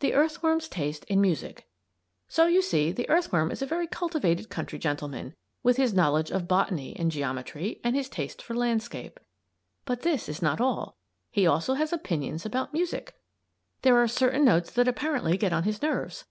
THE EARTHWORM'S TASTE IN MUSIC So you see the earthworm is a very cultivated country gentleman with his knowledge of Botany and Geometry, and his taste for landscape. But this is not all. He also has opinions about music. There are certain notes that apparently get on his nerves.